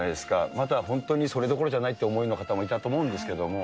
まだ本当にそれどころではないという思いの方もいたと思うんですけども。